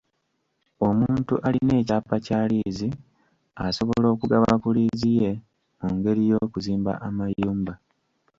Omuntu alina ekyapa kya liizi asobola okugaba ku liizi ye mu ngeri y’okuzimba amayumba.